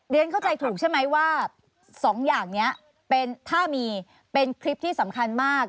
เดี๋ยวเข้าใจถูกใช่ไหมว่า๒อย่างนี้เป็นท่ามีเป็นคลิปที่สำคัญมาก